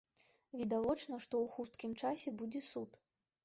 Відавочна, што ў хуткім часе будзе суд.